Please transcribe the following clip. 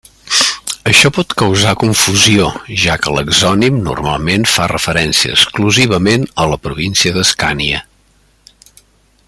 Això pot causar confusió, ja que l'exònim normalment fa referència exclusivament a la província d'Escània.